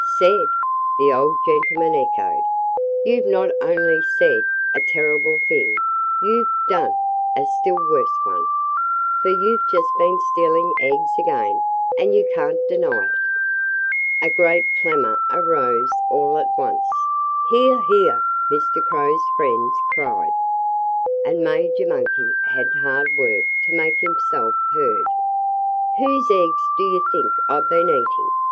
"Said!" the old gentleman echoed. "You've not only said a terrible thing; you've done a still worse one! For you've just been stealing eggs again and you can't deny it." A great clamor arose all at once. "Hear! Hear!" Mr. Crow's friends cried. And Major Monkey had hard work to make himself heard. "Whose eggs do you think I've been eating?"